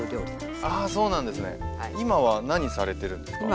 今は何されてるんですか？